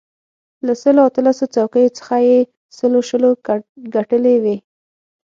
له سلو اتلسو څوکیو څخه یې سلو شلو ګټلې وې.